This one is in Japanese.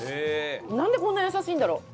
なんでこんな優しいんだろう？